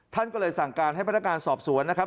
ท่านก็เลยสั่งการให้พนักงานสอบสวนนะครับ